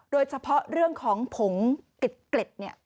โดยเฉพาะเรื่องของผงเกล็ดเนี่ย